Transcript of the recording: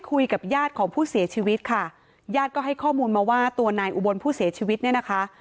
คุยกับญาติของผู้เสียชีวิตค่ะญาติก็ให้ข้อมูลมาว่าตัวนายอุบลผู้เสียชีวิตเนี่ยนะคะ